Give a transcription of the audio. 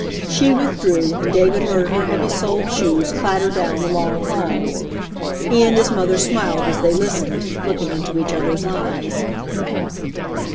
She with drew, and David heard her heavy soled shoes clatter down the long halls. He and his mother smiled as they listened, looking into each other's eyes.